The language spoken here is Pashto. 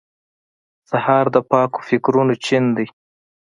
سهار د پاکو فکرونو چین دی.